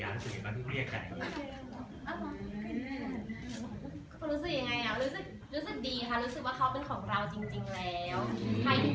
ใครที่กล้าไปยุ่งกี่ก็คือแรงมาก